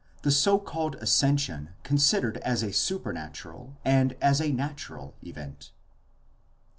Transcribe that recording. THE SO CALLED ASCENSION CONSIDERED AS A SUPERNATURAL AND AS A NATURAL EVENT.